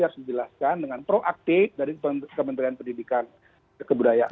harus dijelaskan dengan proaktif dari kementerian pendidikan kebudayaan